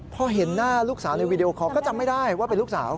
พอเห็นหน้าลูกสาวในวีดีโอคอลก็จำไม่ได้ว่าเป็นลูกสาว